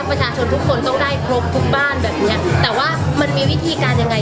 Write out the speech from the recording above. ประชาชนทุกคนต้องได้ครบทุกบ้านแบบเนี้ยแต่ว่ามันมีวิธีการยังไง